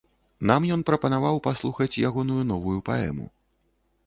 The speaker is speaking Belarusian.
Нам ён прапанаваў паслухаць ягоную новую паэму.